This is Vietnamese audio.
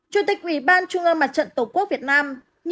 chủ tịch ủy ban trung ương mặt trận tổ quốc việt nam